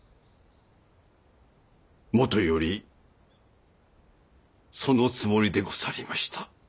もとよりそのつもりでござりました。